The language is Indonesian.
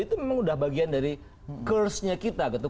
itu memang udah bagian dari kursnya kita gitu